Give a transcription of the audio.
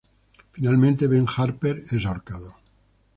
Finalmente Ben Harper es ahorcado.